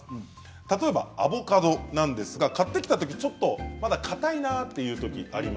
例えばアボカドなんですが買ってきた時ちょっとまだかたいなという時ありますよね。